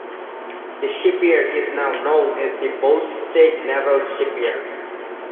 The shipyard is now known as the Boustead Naval Shipyard.